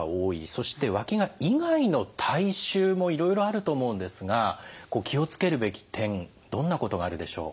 そしてわきが以外の体臭もいろいろあると思うんですが気を付けるべき点どんなことがあるでしょう？